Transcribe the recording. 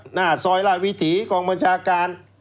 หน้าซอยราชวิถีกองบัญชาการ